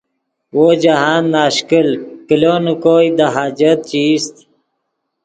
وو جاہند ناشکل کلو نے کوئے دے حاجت چے ایست